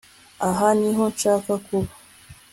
Aha niho nshaka kuba